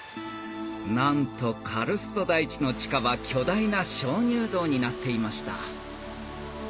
なんとカルスト台地の地下は巨大な鍾乳洞になっていました